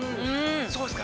◆そうですか？